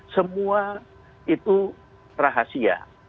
semua itu rahasia